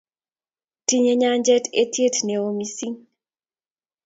Tinyei nyanjet eitiet neo missing